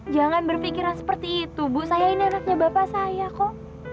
jangan berpikiran seperti itu bu saya ini anaknya bapak saya kok